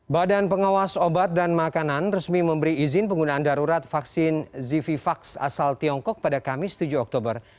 badan pengawas obat dan makanan resmi memberi izin penggunaan darurat vaksin zivivax asal tiongkok pada kamis tujuh oktober